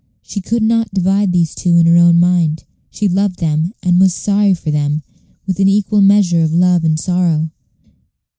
She could not divide these two Page 140 in her own mind. She loved them, and was sorry for them, with an equal measure of love and sorrow.